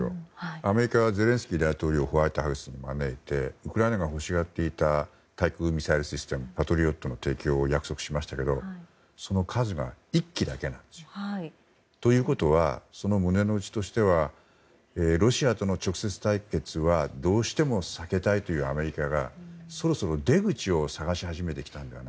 アメリカはゼレンスキー大統領をホワイトハウスに招いてウクライナが欲しがっていた対空ミサイルシステムパトリオットの提供を約束しましたけど、その数が１基だけなんですよ。ということはその胸の内としてはロシアとの直接対決はどうしても避けたいというアメリカがそろそろ出口を探し始めてきたのではと。